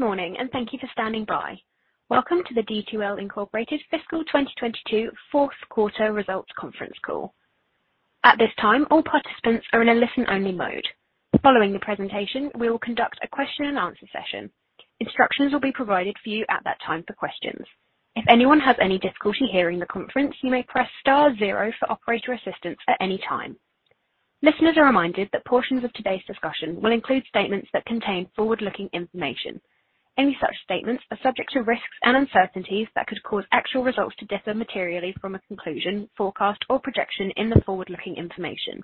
Good morning, and thank you for standing by. Welcome to the D2L Inc fiscal 2022 fourth quarter results conference call. At this time, all participants are in a listen-only mode. Following the presentation, we will conduct a question and answer session. Instructions will be provided for you at that time for questions. If anyone has any difficulty hearing the conference, you may press star zero for operator assistance at any time. Listeners are reminded that portions of today's discussion will include statements that contain forward-looking information. Any such statements are subject to risks and uncertainties that could cause actual results to differ materially from a conclusion, forecast or projection in the forward-looking information.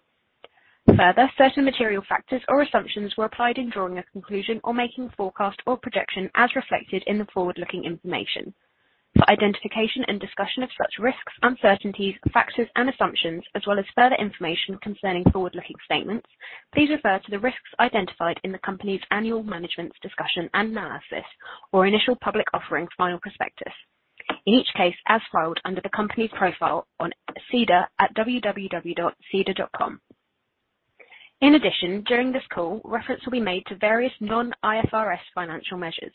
Further, certain material factors or assumptions were applied in drawing a conclusion or making forecast or projection as reflected in the forward-looking information. For identification and discussion of such risks, uncertainties, factors and assumptions, as well as further information concerning forward-looking statements, please refer to the risks identified in the company's annual Management's Discussion and Analysis or Initial Public Offering Final Prospectus. In each case, as filed under the company's profile on SEDAR at www.sedar.com. In addition, during this call, reference will be made to various non-IFRS financial measures,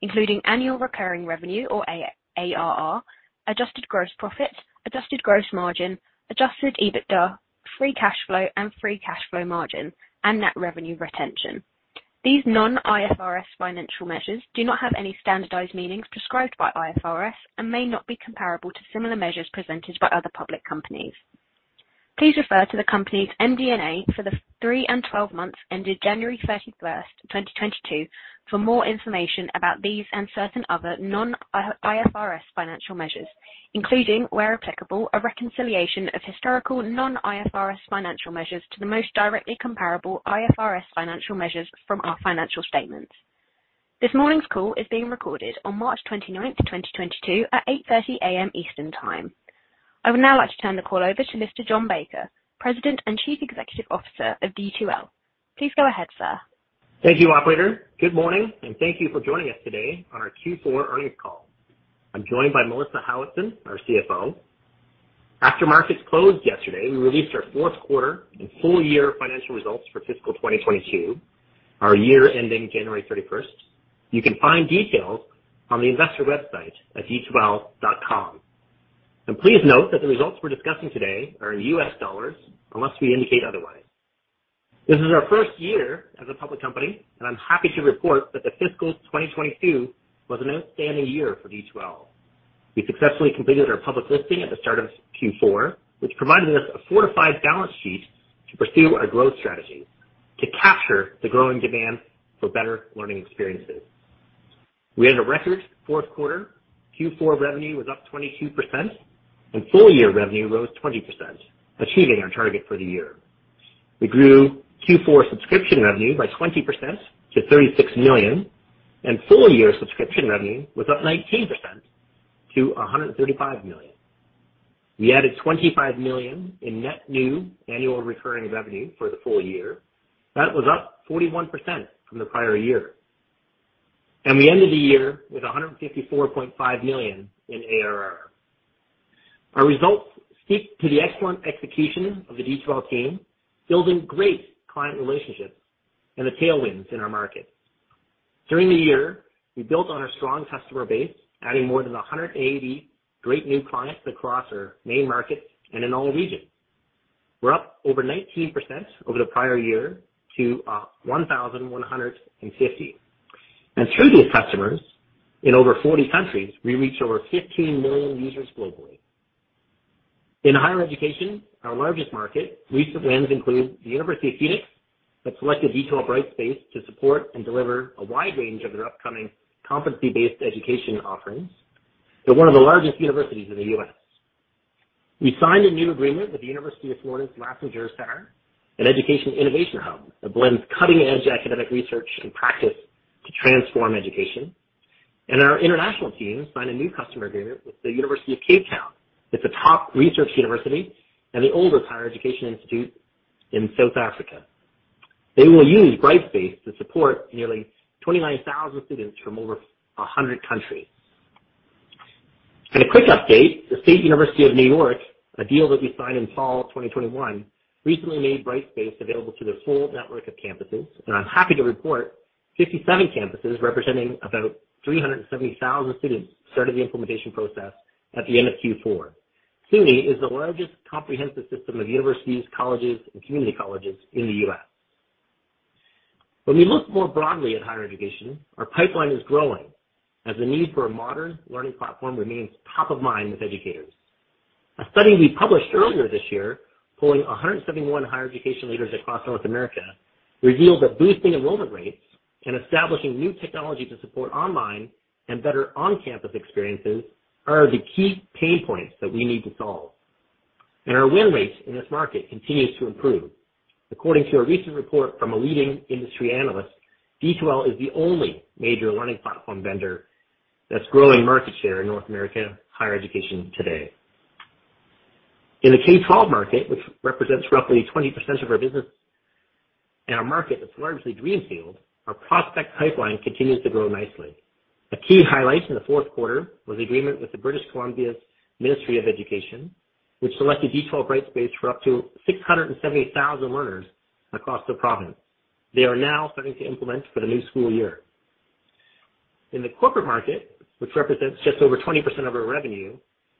including annual recurring revenue or ARR, adjusted gross profit, adjusted gross margin, adjusted EBITDA, free cash flow and free cash flow margin, and net revenue retention. These non-IFRS financial measures do not have any standardized meanings prescribed by IFRS and may not be comparable to similar measures presented by other public companies. Please refer to the company's MD&A for the three and 12 months ended January 31st, 2022 for more information about these and certain other non-IFRS financial measures, including, where applicable, a reconciliation of historical non-IFRS financial measures to the most directly comparable IFRS financial measures from our financial statements. This morning's call is being recorded on March 29th, 2022 at 8:30 A.M. Eastern Time. I would now like to turn the call over to Mr. John Baker, President and Chief Executive Officer of D2L. Please go ahead, sir. Thank you, operator. Good morning, and thank you for joining us today on our Q4 earnings call. I'm joined by Melissa Howatson, our CFO. After markets closed yesterday, we released our fourth quarter and full year financial results for fiscal 2022, our year ending January 31st. You can find details on the investor website at d2l.com. Please note that the results we're discussing today are in U.S. dollars unless we indicate otherwise. This is our first year as a public company, and I'm happy to report that the fiscal 2022 was an outstanding year for D2L. We successfully completed our public listing at the start of Q4, which provided us a fortified balance sheet to pursue our growth strategy to capture the growing demand for better learning experiences. We had a record fourth quarter. Q4 revenue was up 22%, and full year revenue rose 20%, achieving our target for the year. We grew Q4 subscription revenue by 20% to $36 million, and full year subscription revenue was up 19% to $135 million. We added $25 million in net new annual recurring revenue for the full year. That was up 41% from the prior year. We ended the year with $154.5 million in ARR. Our results speak to the excellent execution of the D2L team, building great client relationships and the tailwinds in our market. During the year, we built on our strong customer base, adding more than 180 great new clients across our main markets and in all regions. We're up over 19% over the prior year to 1,150. Through these customers in over 40 countries, we reach over 15 million users globally. In higher education, our largest market, recent wins include the University of Phoenix, that selected D2L Brightspace to support and deliver a wide range of their upcoming competency-based education offerings. They're one of the largest universities in the U.S. We signed a new agreement with the University of Florida's Lastinger Center, an education innovation hub that blends cutting-edge academic research and practice to transform education. Our international team signed a new customer agreement with the University of Cape Town. It's a top research university and the oldest higher education institute in South Africa. They will use Brightspace to support nearly 29,000 students from over 100 countries. A quick update, the State University of New York, a deal that we signed in fall of 2021, recently made Brightspace available to their full network of campuses. I'm happy to report 57 campuses representing about 370,000 students started the implementation process at the end of Q4. SUNY is the largest comprehensive system of universities, colleges, and community colleges in the U.S. When we look more broadly at higher education, our pipeline is growing as the need for a modern learning platform remains top of mind with educators. A study we published earlier this year, polling 171 higher education leaders across North America, revealed that boosting enrollment rates and establishing new technology to support online and better on-campus experiences are the key pain points that we need to solve. Our win rates in this market continues to improve. According to a recent report from a leading industry analyst, D2L is the only major learning platform vendor that's growing market share in North American higher education today. In the K-12 market, which represents roughly 20% of our business, in a market that's largely greenfield, our prospect pipeline continues to grow nicely. A key highlight in the fourth quarter was agreement with the British Columbia's Ministry of Education, which selected D2L Brightspace for up to 670,000 learners across the province. They are now starting to implement for the new school year. In the corporate market, which represents just over 20% of our revenue,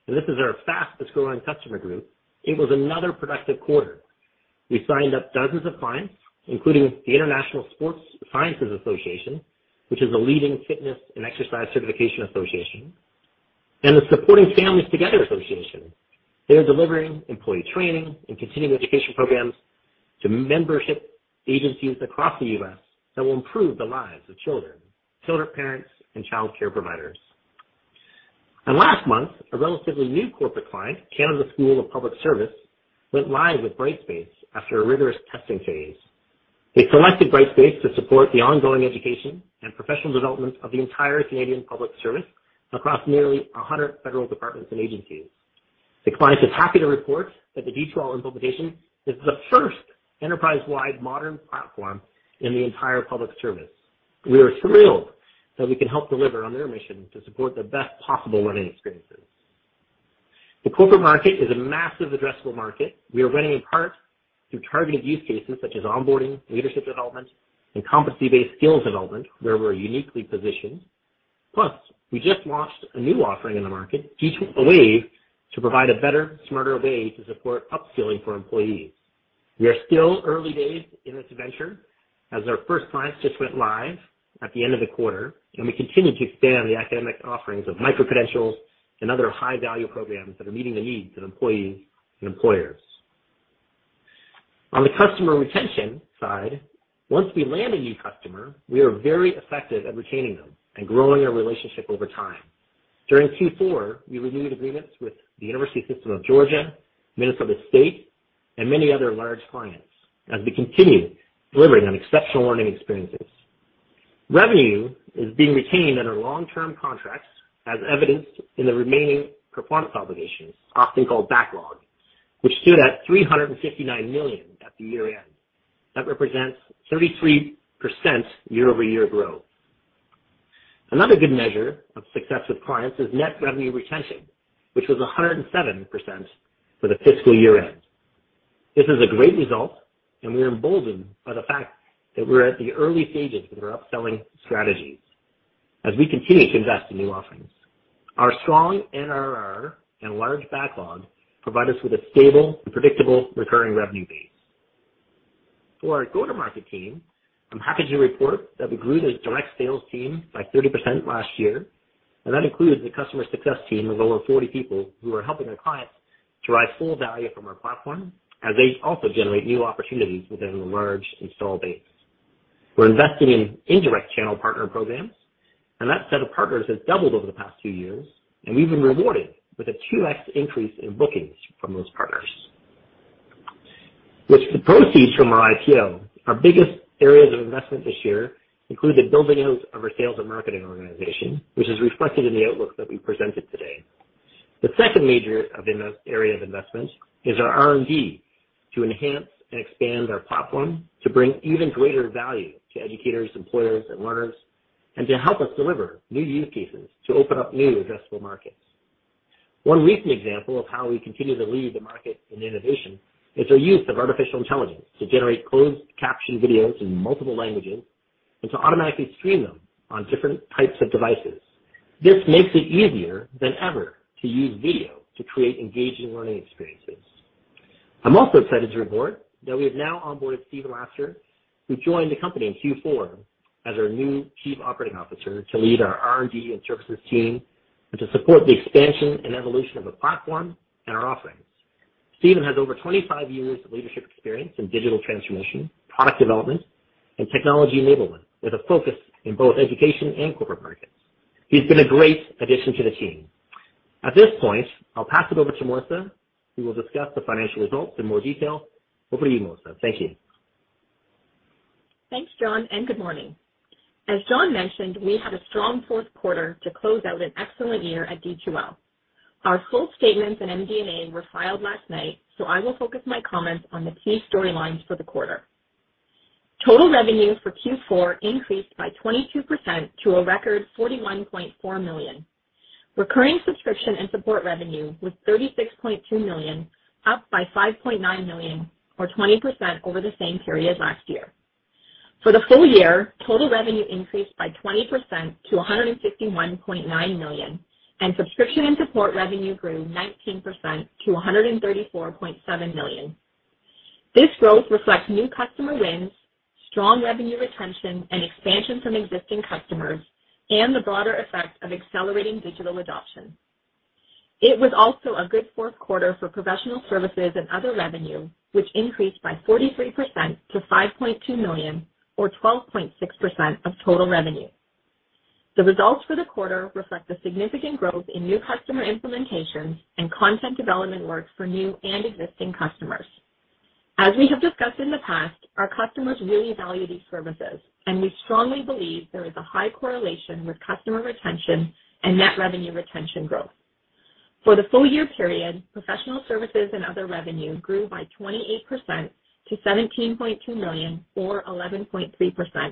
and this is our fastest-growing customer group, it was another productive quarter. We signed up dozens of clients, including the International Sports Sciences Association, which is a leading fitness and exercise certification association, and the Supporting Families Together Association. They are delivering employee training and continuing education programs to membership agencies across the U.S. that will improve the lives of children, parents, and childcare providers. Last month, a relatively new corporate client, Canada School of Public Service, went live with Brightspace after a rigorous testing phase. They selected Brightspace to support the ongoing education and professional development of the entire Canadian public service across nearly 100 federal departments and agencies. The client is happy to report that the D2L implementation is the first enterprise-wide modern platform in the entire public service. We are thrilled that we can help deliver on their mission to support the best possible learning experiences. The corporate market is a massive addressable market. We are winning in part through targeted use cases such as onboarding, leadership development, and competency-based skills development, where we're uniquely positioned. Plus, we just launched a new offering in the market, D2L Wave, to provide a better, smarter way to support upskilling for employees. We are still early days in this venture as our first clients just went live at the end of the quarter, and we continue to expand the academic offerings of microcredentials and other high-value programs that are meeting the needs of employees and employers. On the customer retention side, once we land a new customer, we are very effective at retaining them and growing our relationship over time. During Q4, we renewed agreements with the University System of Georgia, Minnesota State, and many other large clients as we continue delivering on exceptional learning experiences. Revenue is being retained in our long-term contracts as evidenced in the remaining performance obligations, often called backlog, which stood at $359 million at the year-end. That represents 33% year-over-year growth. Another good measure of success with clients is net revenue retention, which was 107% for the fiscal year-end. This is a great result, and we are emboldened by the fact that we're at the early stages of our upselling strategies as we continue to invest in new offerings. Our strong NRR and large backlog provide us with a stable and predictable recurring revenue base. For our go-to-market team, I'm happy to report that we grew the direct sales team by 30% last year, and that includes the customer success team of over 40 people who are helping our clients derive full value from our platform as they also generate new opportunities within the large install base. We're investing in indirect channel partner programs, and that set of partners has doubled over the past two years, and we've been rewarded with a 2x increase in bookings from those partners. With the proceeds from our IPO, our biggest areas of investment this year include the building out of our sales and marketing organization, which is reflected in the outlook that we presented today. The second major area of investment is our R&D to enhance and expand our platform to bring even greater value to educators, employers, and learners, and to help us deliver new use cases to open up new addressable markets. One recent example of how we continue to lead the market in innovation is our use of artificial intelligence to generate closed caption videos in multiple languages and to automatically stream them on different types of devices. This makes it easier than ever to use video to create engaging learning experiences. I'm also excited to report that we have now onboarded Stephen Laster, who joined the company in Q4 as our new Chief Operating Officer to lead our R&D and services team and to support the expansion and evolution of the platform and our offerings. Stephen has over 25 years of leadership experience in digital transformation, product development, and technology enablement, with a focus in both education and corporate markets. He's been a great addition to the team. At this point, I'll pass it over to Melissa, who will discuss the financial results in more detail. Over to you, Melissa. Thank you. Thanks, John, and good morning. As John mentioned, we had a strong fourth quarter to close out an excellent year at D2L. Our full statements and MD&A were filed last night, so I will focus my comments on the key storylines for the quarter. Total revenue for Q4 increased by 22% to a record $41.4 million. Recurring subscription and support revenue was $36.2 million, up by $5.9 million or 20% over the same period last year. For the full year, total revenue increased by 20% to $161.9 million, and subscription and support revenue grew 19% to $134.7 million. This growth reflects new customer wins, strong revenue retention and expansion from existing customers, and the broader effect of accelerating digital adoption. It was also a good fourth quarter for Professional Services and Other Revenue, which increased by 43% to $5.2 million or 12.6% of total revenue. The results for the quarter reflect the significant growth in new customer implementations and content development work for new and existing customers. As we have discussed in the past, our customers really value these services, and we strongly believe there is a high correlation with customer retention and Net Revenue Retention growth. For the full year period, Professional Services and Other Revenue grew by 28% to $17.2 million or 11.3%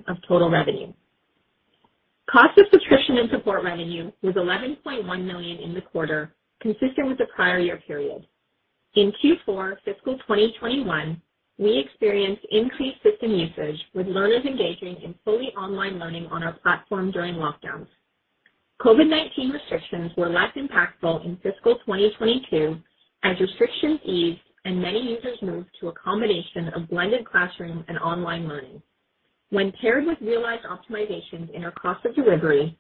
of total revenue. Cost of subscription and support revenue was $11.1 million in the quarter, consistent with the prior year period. In Q4 fiscal 2021, we experienced increased system usage, with learners engaging in fully online learning on our platform during lockdowns. COVID-19 restrictions were less impactful in fiscal 2022 as restrictions eased and many users moved to a combination of blended classroom and online learning. When paired with realized optimizations in our cost of delivery,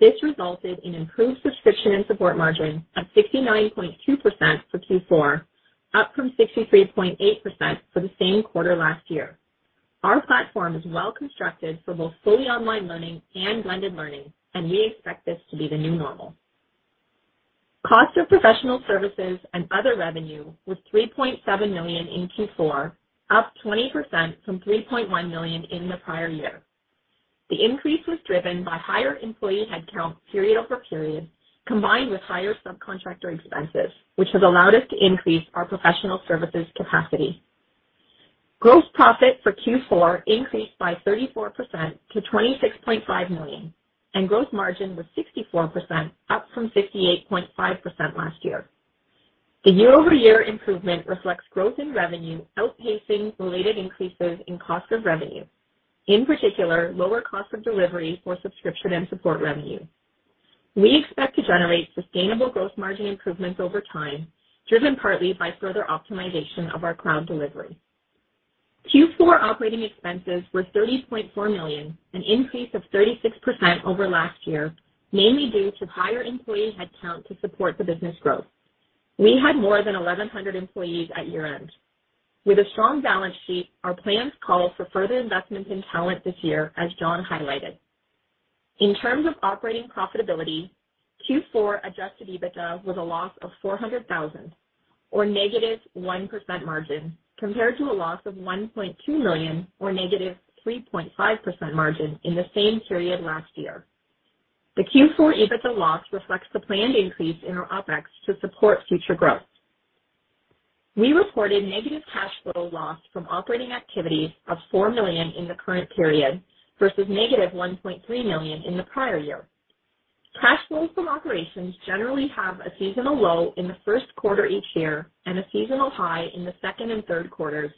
this resulted in improved subscription and support margin of 69.2% for Q4, up from 63.8% for the same quarter last year. Our platform is well-constructed for both fully online learning and blended learning, and we expect this to be the new normal. Cost of Professional Services and Other Revenue was $3.7 million in Q4, up 20% from $3.1 million in the prior year. The increase was driven by higher employee headcount period-over-period, combined with higher subcontractor expenses, which has allowed us to increase our Professional Services capacity. Gross profit for Q4 increased by 34% to $26.5 million, and gross margin was 64%, up from 68.5% last year. The year-over-year improvement reflects growth in revenue outpacing related increases in cost of revenue, in particular, lower cost of delivery for subscription and support revenue. We expect to generate sustainable gross margin improvements over time, driven partly by further optimization of our cloud delivery. Q4 operating expenses were $30.4 million, an increase of 36% over last year, mainly due to higher employee headcount to support the business growth. We had more than 1,100 employees at year-end. With a strong balance sheet, our plans call for further investment in talent this year, as John highlighted. In terms of operating profitability, Q4 adjusted EBITDA was a loss of $400,000 or -1% margin, compared to a loss of $1.2 million or -3.5% margin in the same period last year. The Q4 EBITDA loss reflects the planned increase in our OpEx to support future growth. We reported negative cash flow loss from operating activities of $4 million in the current period versus -$1.3 million in the prior year. Cash flows from operations generally have a seasonal low in the first quarter each year and a seasonal high in the second and third quarters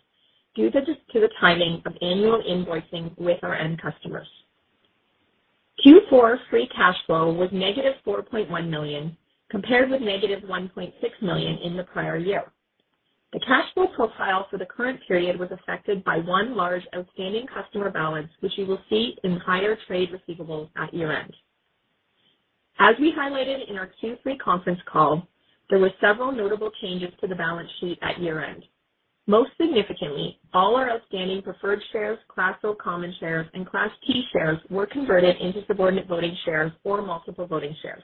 due to the timing of annual invoicing with our end customers. Q4 free cash flow was -$4.1 million, compared with -$1.6 million in the prior year. The cash flow profile for the current period was affected by one large outstanding customer balance, which you will see in higher trade receivables at year-end. As we highlighted in our Q3 conference call, there were several notable changes to the balance sheet at year-end. Most significantly, all our outstanding preferred shares, Class O common shares, and Class P shares were converted into Subordinate Voting Shares or Multiple Voting Shares.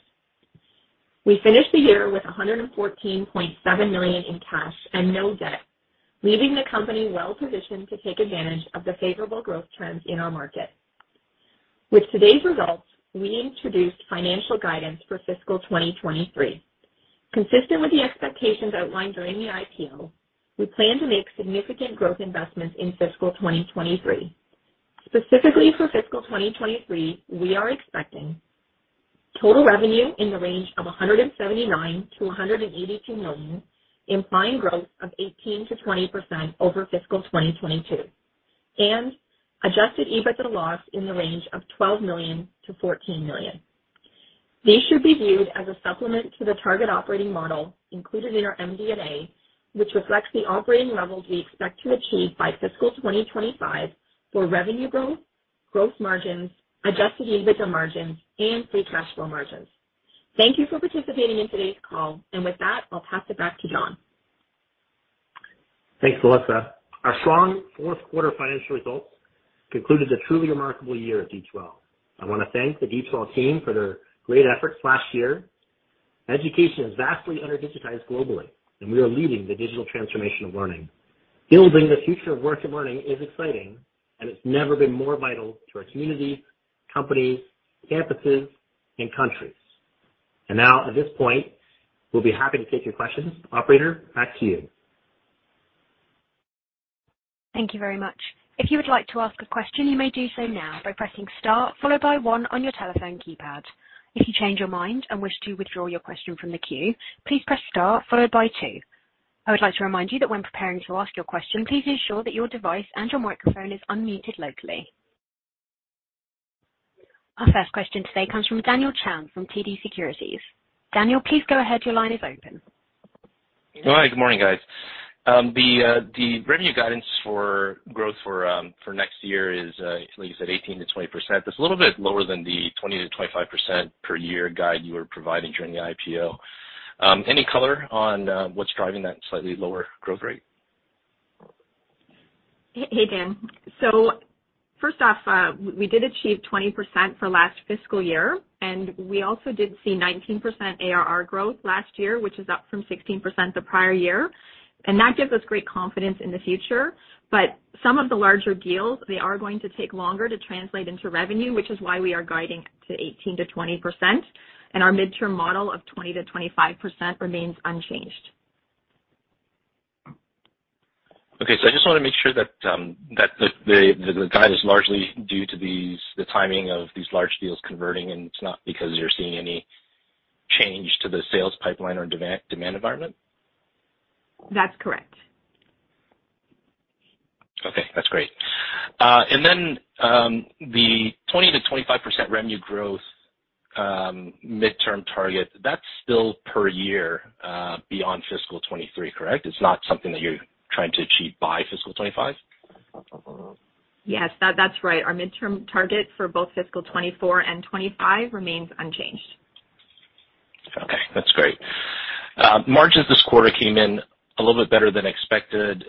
We finished the year with $114.7 million in cash and no debt, leaving the company well-positioned to take advantage of the favorable growth trends in our market. With today's results, we introduced financial guidance for fiscal 2023. Consistent with the expectations outlined during the IPO, we plan to make significant growth investments in fiscal 2023. Specifically for fiscal 2023, we are expecting total revenue in the range of $179 million-$182 million, implying growth of 18%-20% over fiscal 2022, and adjusted EBITDA loss in the range of $12 million-$14 million. These should be viewed as a supplement to the target operating model included in our MD&A, which reflects the operating levels we expect to achieve by fiscal 2025 for revenue growth, gross margins, adjusted EBITDA margins, and free cash flow margins. Thank you for participating in today's call. With that, I'll pass it back to John. Thanks, Melissa. Our strong fourth quarter financial results concluded the truly remarkable year at D2L. I wanna thank the D2L team for their great efforts last year. Education is vastly under-digitized globally, and we are leading the digital transformation of learning. Building the future of work and learning is exciting, and it's never been more vital to our communities, companies, campuses, and countries. Now at this point, we'll be happy to take your questions. Operator, back to you. Thank you very much. If you would like to ask a question, you may do so now by pressing star followed by one on your telephone keypad. If you change your mind and wish to withdraw your question from the queue, please press star followed by two. I would like to remind you that when preparing to ask your question, please ensure that your device and your microphone is unmuted locally. Our first question today comes from Daniel Chan from TD Securities. Daniel, please go ahead. Your line is open. Good morning. Good morning, guys. The revenue guidance for growth for next year is, like you said, 18%-20%. That's a little bit lower than the 20%-25% per year guide you were providing during the IPO. Any color on what's driving that slightly lower growth rate? Hey, Dan. First off, we did achieve 20% for last fiscal year, and we also did see 19% ARR growth last year, which is up from 16% the prior year. That gives us great confidence in the future. Some of the larger deals, they are going to take longer to translate into revenue, which is why we are guiding to 18%-20% and our midterm model of 20%-25% remains unchanged. Okay. I just wanna make sure that the guide is largely due to the timing of these large deals converting, and it's not because you're seeing any change to the sales pipeline or demand environment. That's correct. Okay, that's great. The 20%-25% revenue growth midterm target, that's still per year beyond fiscal 2023, correct? It's not something that you're trying to achieve by fiscal 2025? Yes. That's right. Our midterm target for both fiscal 2024 and 2025 remains unchanged. Okay, that's great. Margins this quarter came in a little bit better than expected.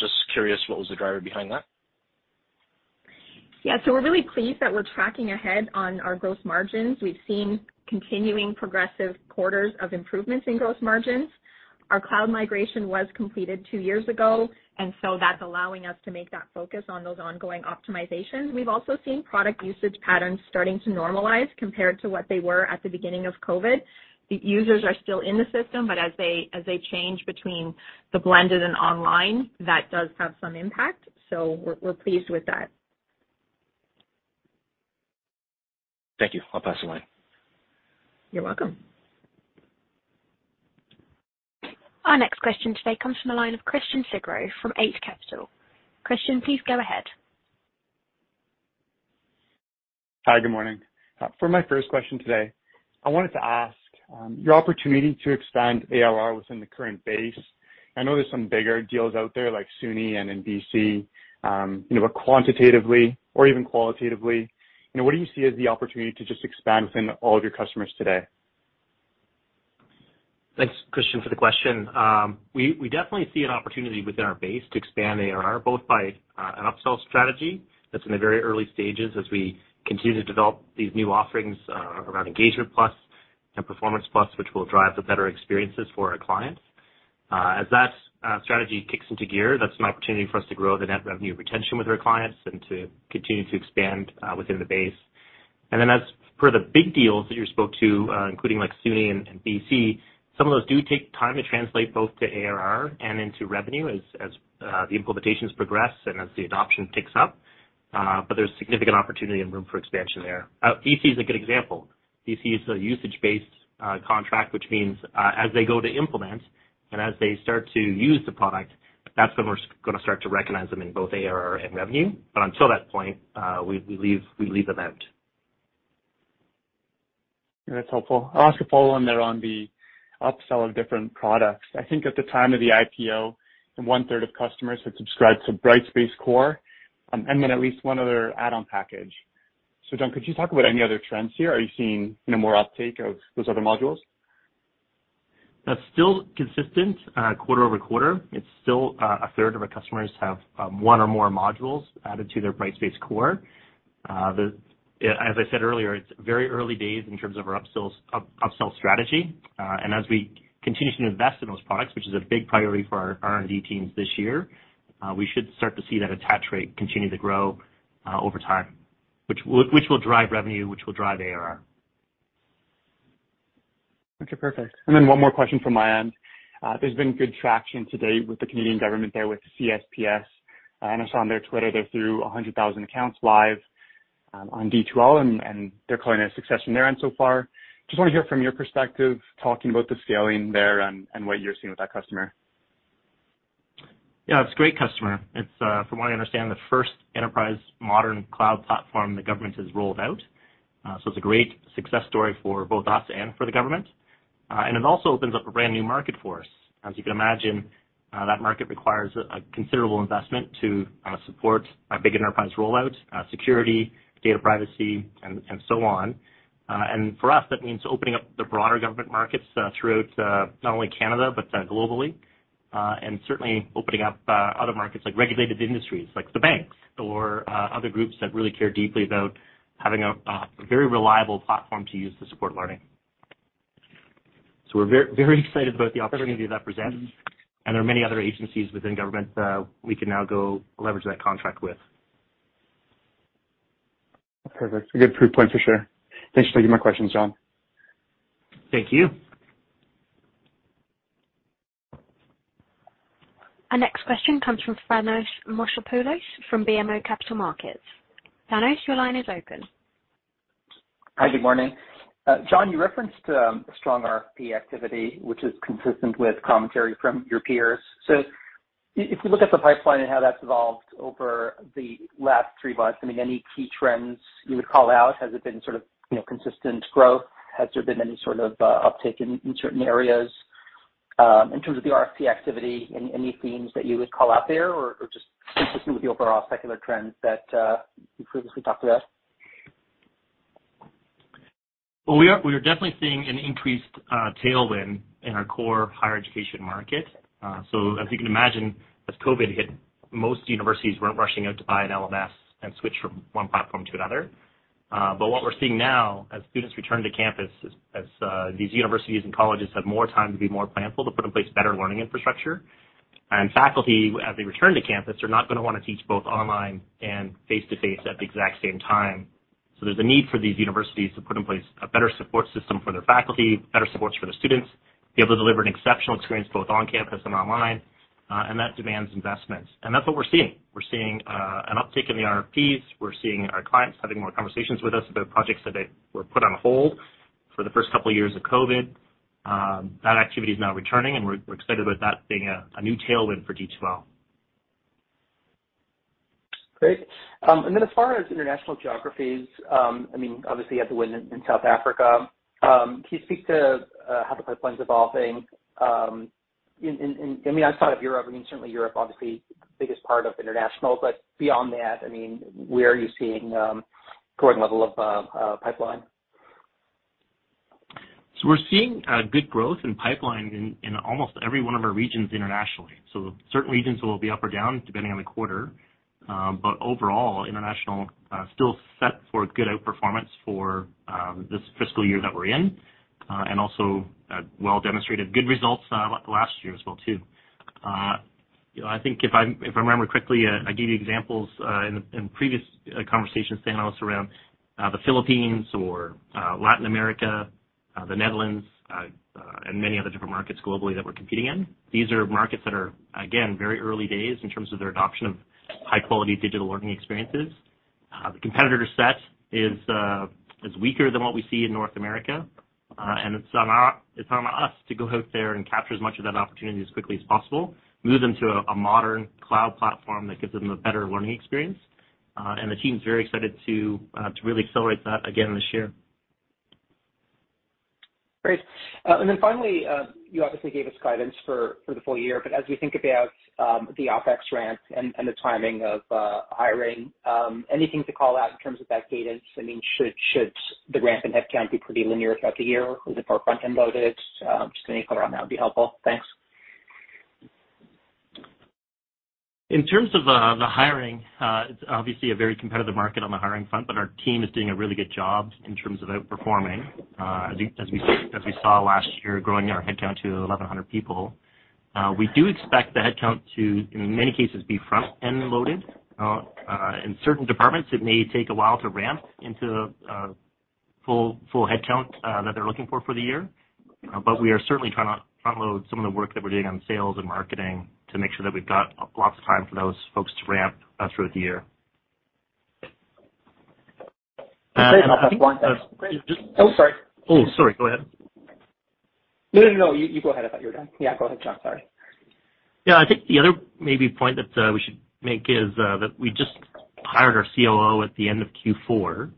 Just curious, what was the driver behind that? Yeah. We're really pleased that we're tracking ahead on our gross margins. We've seen continuing progressive quarters of improvements in gross margins. Our cloud migration was completed two years ago, and that's allowing us to make that focus on those ongoing optimizations. We've also seen product usage patterns starting to normalize compared to what they were at the beginning of COVID. The users are still in the system, but as they change between the blended and online, that does have some impact, so we're pleased with that. Thank you. I'll pass the line. You're welcome. Our next question today comes from the line of Christian Sgro from Eight Capital. Christian, please go ahead. Hi, good morning. For my first question today, I wanted to ask your opportunity to expand ARR within the current base. I know there's some bigger deals out there like SUNY and in BC, you know, but quantitatively or even qualitatively, you know, what do you see as the opportunity to just expand within all of your customers today? Thanks, Christian, for the question. We definitely see an opportunity within our base to expand ARR, both by an upsell strategy that's in the very early stages as we continue to develop these new offerings around Engagement+ and Performance+, which will drive the better experiences for our clients. As that strategy kicks into gear, that's an opportunity for us to grow the Net Revenue Retention with our clients and to continue to expand within the base. As per the big deals that you spoke to, including like SUNY and BC, some of those do take time to translate both to ARR and into revenue as the implementations progress and as the adoption picks up. There's significant opportunity and room for expansion there. BC is a good example. BC is a usage-based contract, which means, as they go to implement and as they start to use the product, that's when we're gonna start to recognize them in both ARR and revenue. Until that point, we leave them out. That's helpful. I'll ask a follow on there on the upsell of different products. I think at the time of the IPO, 1/3 of customers had subscribed to Brightspace Core, and then at least one other add-on package. John, could you talk about any other trends here? Are you seeing, you know, more uptake of those other modules? That's still consistent quarter-over-quarter. It's still 1/3 of our customers have one or more modules added to their Brightspace Core. As I said earlier, it's very early days in terms of our upsell strategy. As we continue to invest in those products, which is a big priority for our R&D teams this year, we should start to see that attach rate continue to grow over time, which will drive revenue, which will drive ARR. Okay, perfect. One more question from my end. There's been good traction to date with the Canadian government there with CSPS, and I saw on their Twitter, they're through 100,000 accounts live on D2L, and they're calling it a success on their end so far. Just wanna hear from your perspective, talking about the scaling there and what you're seeing with that customer. Yeah, it's a great customer. It's from what I understand, the first enterprise modern cloud platform the government has rolled out. It's a great success story for both us and for the government. It also opens up a brand new market for us. As you can imagine, that market requires a considerable investment to support a big enterprise rollout, security, data privacy, and so on. For us, that means opening up the broader government markets throughout not only Canada, but globally. Certainly opening up other markets like regulated industries, like the banks or other groups that really care deeply about having a very reliable platform to use to support learning. We're very excited about the opportunity that presents, and there are many other agencies within government, we can now go leverage that contract with. Perfect. A good proof point for sure. Thanks for taking my questions, John. Thank you. Our next question comes from Thanos Moschopoulos from BMO Capital Markets. Thanos, your line is open. Hi, good morning. John, you referenced strong RFP activity, which is consistent with commentary from your peers. If you look at the pipeline and how that's evolved over the last three months, I mean, any key trends you would call out? Has it been sort of, you know, consistent growth? Has there been any sort of uptake in certain areas in terms of the RFP activity? Any themes that you would call out there or just consistent with the overall secular trends that you previously talked about? Well, we are definitely seeing an increased tailwind in our core higher education market. As you can imagine, as COVID hit, most universities weren't rushing out to buy an LMS and switch from one platform to another. What we're seeing now as students return to campus, as these universities and colleges have more time to be more planful to put in place better learning infrastructure, and faculty, as they return to campus, are not gonna wanna teach both online and face-to-face at the exact same time. There's a need for these universities to put in place a better support system for their faculty, better supports for the students, be able to deliver an exceptional experience both on campus and online, and that demands investments. That's what we're seeing. We're seeing an uptick in the RFPs. We're seeing our clients having more conversations with us about projects that they were put on hold for the first couple of years of COVID. That activity is now returning, and we're excited about that being a new tailwind for D2L. Great. As far as international geographies, I mean, obviously you had the win in South Africa. Can you speak to how the pipeline's evolving, I mean, outside of Europe, I mean, certainly Europe, obviously biggest part of international, but beyond that, I mean, where are you seeing growing level of pipeline? We're seeing good growth in pipeline in almost every one of our regions internationally. Certain regions will be up or down depending on the quarter. But overall, international still set for good outperformance for this fiscal year that we're in, and also well demonstrated good results last year as well, too. You know, I think if I remember correctly, I gave you examples in previous conversations, Thanos, around the Philippines or Latin America, the Netherlands, and many other different markets globally that we're competing in. These are markets that are again very early days in terms of their adoption of high-quality digital learning experiences. The competitor set is weaker than what we see in North America, and it's on us to go out there and capture as much of that opportunity as quickly as possible, move them to a modern cloud platform that gives them a better learning experience. The team's very excited to really accelerate that again this year. Great. Finally, you obviously gave us guidance for the full year. As we think about the OpEx ramp and the timing of hiring, anything to call out in terms of that cadence? I mean, should the ramp in headcount be pretty linear throughout the year or is it more front-end loaded? Just any color on that would be helpful. Thanks. In terms of the hiring, it's obviously a very competitive market on the hiring front, but our team is doing a really good job in terms of outperforming. I think as we saw last year growing our headcount to 1,100 people. We do expect the headcount to, in many cases, be front-end loaded. In certain departments, it may take a while to ramp into a full headcount that they're looking for for the year. But we are certainly trying to front load some of the work that we're doing on sales and marketing to make sure that we've got lots of time for those folks to ramp throughout the year. Great. I'll have one last. Just- Oh, sorry. Oh, sorry. Go ahead. No, you go ahead. I thought you were done. Yeah, go ahead, John. Sorry. Yeah. I think the other maybe point that we should make is that we just hired our COO at the end of Q4.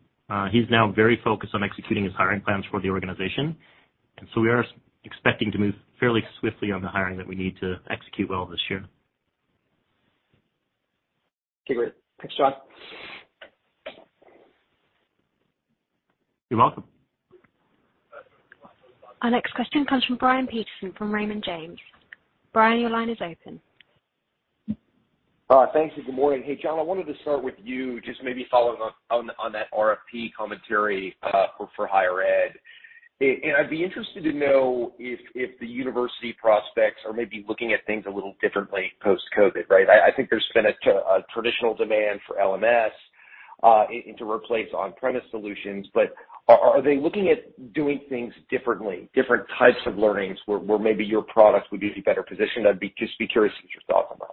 He's now very focused on executing his hiring plans for the organization. We are expecting to move fairly swiftly on the hiring that we need to execute well this year. Okay, great. Thanks, John. You're welcome. Our next question comes from Brian Peterson from Raymond James. Brian, your line is open. Thanks, and good morning. Hey, John, I wanted to start with you, just maybe following up on that RFP commentary for higher ed. I'd be interested to know if the university prospects are maybe looking at things a little differently post-COVID, right? I think there's been a traditional demand for LMS and to replace on-premise solutions. Are they looking at doing things differently, different types of learnings where maybe your products would be in a better position? I'd be curious what your thoughts are.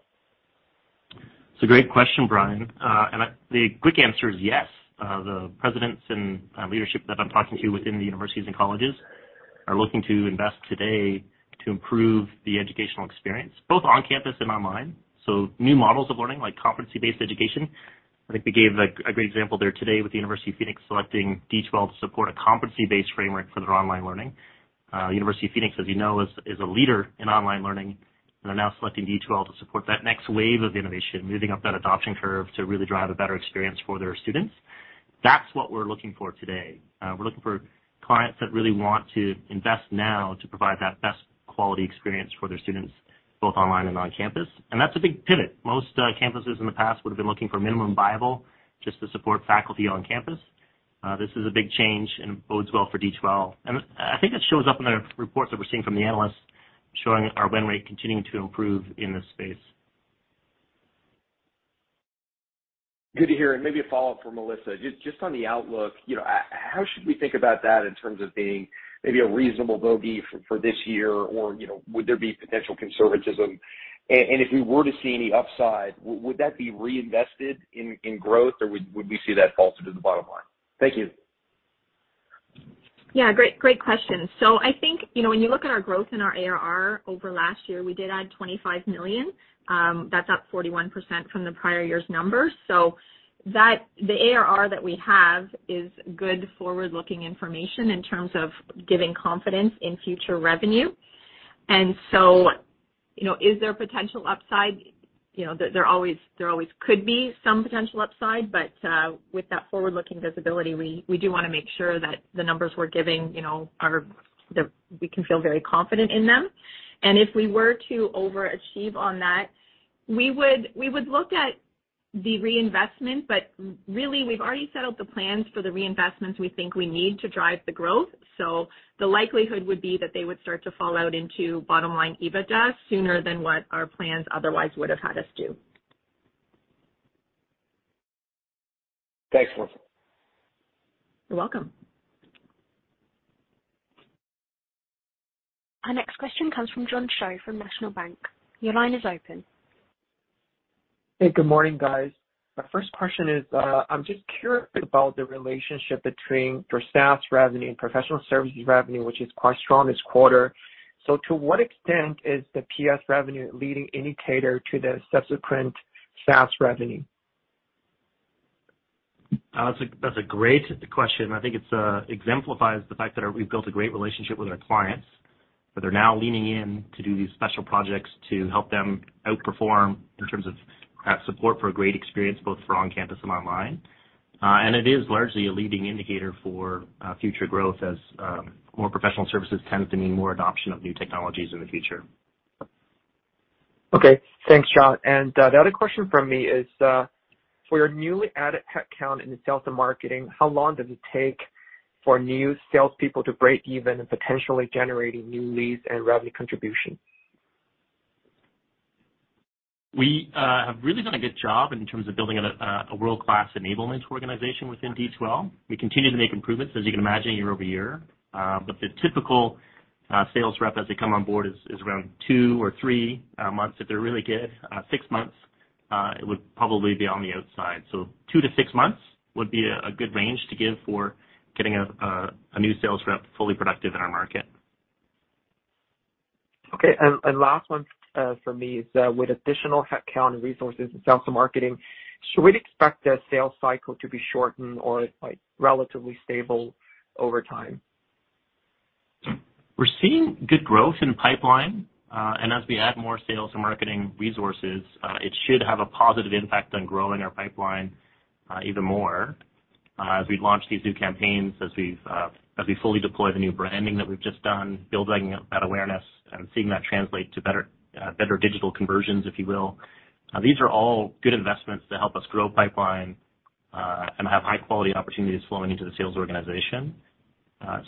It's a great question, Brian. The quick answer is yes. The presidents and leadership that I'm talking to within the universities and colleges are looking to invest today to improve the educational experience, both on campus and online, so new models of learning like competency-based education. I think we gave a great example there today with the University of Phoenix selecting D2L to support a competency-based framework for their online learning. University of Phoenix, as you know, is a leader in online learning, and they're now selecting D2L to support that next wave of innovation, moving up that adoption curve to really drive a better experience for their students. That's what we're looking for today. We're looking for clients that really want to invest now to provide that best quality experience for their students, both online and on campus. That's a big pivot. Most campuses in the past would have been looking for minimum viable just to support faculty on campus. This is a big change and bodes well for D2L. I think it shows up in the reports that we're seeing from the analysts showing our win rate continuing to improve in this space. Good to hear. Maybe a follow-up for Melissa. Just on the outlook, you know, how should we think about that in terms of being maybe a reasonable bogey for this year? You know, would there be potential conservatism? If we were to see any upside, would that be reinvested in growth, or would we see that fall through to the bottom line? Thank you. Yeah, great question. I think, you know, when you look at our growth in our ARR over last year, we did add $25 million. That's up 41% from the prior year's number. The ARR that we have is good forward-looking information in terms of giving confidence in future revenue. Is there potential upside? You know, there always could be some potential upside. But with that forward-looking visibility, we do wanna make sure that the numbers we're giving, you know, are, we can feel very confident in them. If we were to overachieve on that we would look at the reinvestment, but really we've already set out the plans for the reinvestments we think we need to drive the growth. The likelihood would be that they would start to fall out into bottom-line EBITDA sooner than what our plans otherwise would have had us do. Excellent. You're welcome. Our next question comes from John Shao from National Bank. Your line is open. Hey, good morning, guys. My first question is, I'm just curious about the relationship between your SaaS revenue and Professional Services revenue, which is quite strong this quarter. To what extent is the PS revenue a leading indicator to the subsequent SaaS revenue? That's a great question. I think it exemplifies the fact that we've built a great relationship with our clients, that they're now leaning in to do these special projects to help them outperform in terms of support for a great experience, both for on-campus and online. It is largely a leading indicator for future growth as more professional services tends to mean more adoption of new technologies in the future. Okay. Thanks, John. The other question from me is, for your newly added headcount in the sales and marketing, how long does it take for new salespeople to break even and potentially generating new leads and revenue contribution? We have really done a good job in terms of building a world-class enablement organization within D2L. We continue to make improvements, as you can imagine, year over year. The typical sales rep as they come on board is around two or three months. If they're really good, six months, it would probably be on the outside. Two to six months would be a good range to give for getting a new sales rep fully productive in our market. Okay. Last one from me is, with additional headcount and resources in sales and marketing, should we expect the sales cycle to be shortened or, like, relatively stable over time? We're seeing good growth in pipeline. As we add more sales and marketing resources, it should have a positive impact on growing our pipeline, even more. As we launch these new campaigns, as we fully deploy the new branding that we've just done, building up that awareness and seeing that translate to better digital conversions, if you will. These are all good investments to help us grow pipeline, and have high-quality opportunities flowing into the sales organization.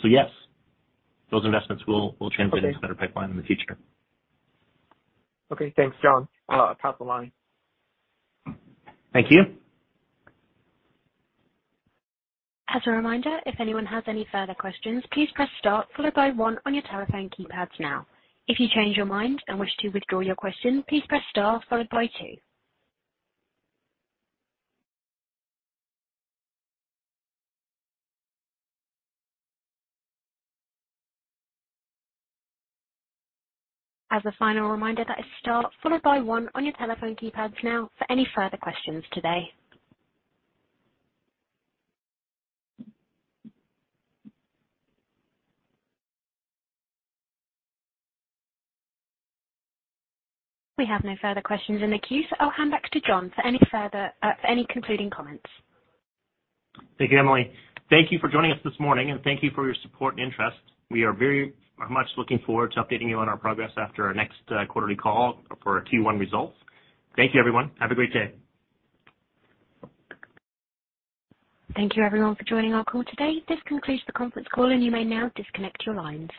Yes, those investments will translate into better pipeline in the future. Okay. Thanks, John. I'll pass along. Thank you. As a reminder, if anyone has any further questions, please press star followed by one on your telephone keypads now. If you change your mind and wish to withdraw your question, please press star followed by two. As a final reminder, that is star followed by one on your telephone keypads now for any further questions today. We have no further questions in the queue, so I'll hand back to John for any further, for any concluding comments. Thank you, Emily. Thank you for joining us this morning, and thank you for your support and interest. We are very much looking forward to updating you on our progress after our next quarterly call for our Q1 results. Thank you, everyone. Have a great day. Thank you, everyone, for joining our call today. This concludes the conference call, and you may now disconnect your lines.